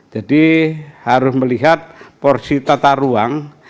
jadi harus melihat porsi tata ruang